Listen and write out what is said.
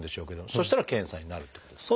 そしたら検査になるってことですか？